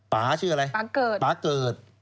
ป๊าชื่ออะไรป๊าเกิด